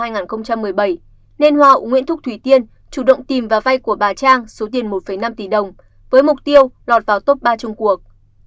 nên họa nguyễn thúc thủy tiên chủ động tìm và vay của bà trang số tiền một năm tỷ đồng với mục tiêu lọt vào top ba trung cuộc